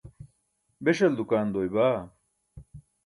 beśal dukaan doy baa?